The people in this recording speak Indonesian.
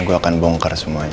gue akan bongkar semuanya